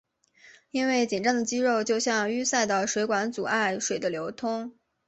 因为紧张的肌肉就像淤塞的水管阻碍水的流通。